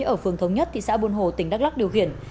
ở phường thống nhất thị xã buôn hồ tỉnh đắk lắc điều khiển